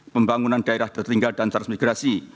pembangunan daerah tertinggal dan transmigrasi